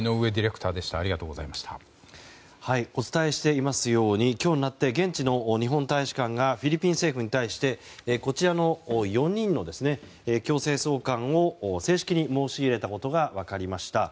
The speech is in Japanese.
お伝えしていますように今日になって現地の日本大使館がフィリピン政府に対してこちらの４人の強制送還を正式に申し入れたことが分かりました。